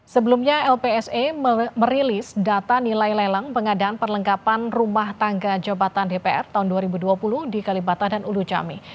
sebelumnya lpse merilis data nilai lelang pengadaan perlengkapan rumah tangga jabatan dpr tahun dua ribu dua puluh di kalibata dan ulu jami